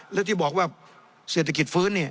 และที่บอกว่าเศรษฐกิจฟื้น